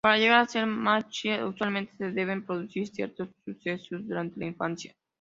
Para llegar a ser machi usualmente se deben producir ciertos sucesos durante la infancia.